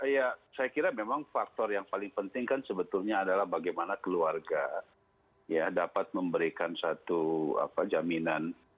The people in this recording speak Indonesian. ya saya kira memang faktor yang paling penting kan sebetulnya adalah bagaimana keluarga ya dapat memberikan satu jaminan